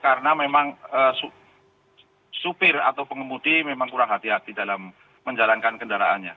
karena memang supir atau pengemudi memang kurang hati hati dalam menjalankan kendaraannya